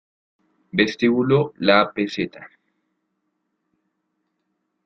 Vestíbulo La Peseta